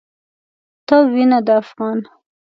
ته وينه د افغان